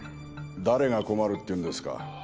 誰が困るって言うんですか？